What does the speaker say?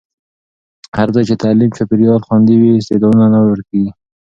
هر ځای چې تعلیمي چاپېریال خوندي وي، استعدادونه نه ورکېږي.